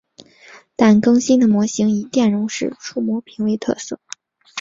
但更新的模型以电容式触摸屏为特色。